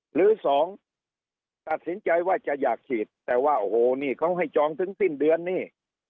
หรือสองตัดสินใจว่าจะอยากฉีดแต่ว่าโอ้โหนี่เขาให้จองถึงสิ้นเดือนนี่